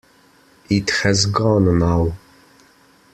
It has gone now.